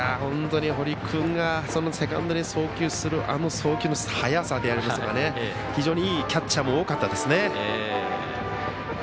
堀君の二塁に送球するあの速さでありますから非常にいいキャッチャーも多かったですね。